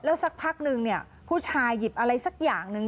สักพักนึงเนี่ยผู้ชายหยิบอะไรสักอย่างหนึ่ง